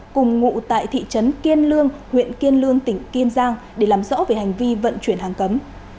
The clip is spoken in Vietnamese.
cùng ngụ tại thị trấn kiên lương huyện kiên lương tỉnh kiên giang để làm rõ về hành vi vận chuyển hàng cấm